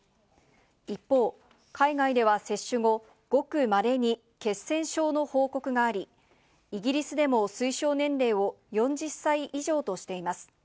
一方、海外では接種後、ごくまれに血栓症の報告があり、イギリスでも推奨年齢を４０歳以上としています。